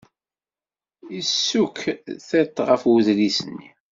Yessukk tiṭ ɣef uḍris-nni.